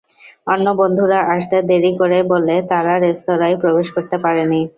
অন্য বন্ধুরা আসতে দেরি করে বলে তারা রেস্তোরাঁয় প্রবেশ করতে পারেনি।